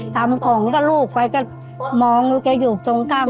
ทำของก็ลูกไปก็มองลูกแกอยู่ตรงข้าม